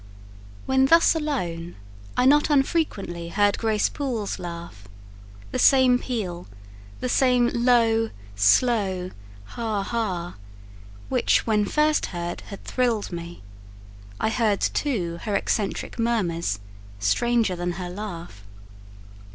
When thus alone, I not unfrequently heard Grace Poole's laugh: the same peal, the same low, slow ha! ha! which, when first heard, had thrilled me: I heard, too, her eccentric murmurs; stranger than her laugh.